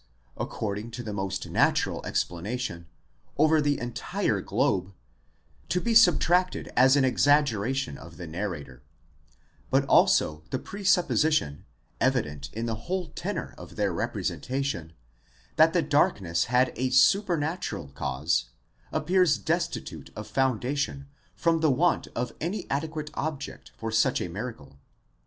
according to the most natural explanation, over the entire globe, to be subtracted as an exaggeration of the narrator :* but also the pre supposition, evident in the whole tenor of their representation, that the dark ness had a supernatural cause, appears destitute of foundation from the want of any adequate object for such a miracle.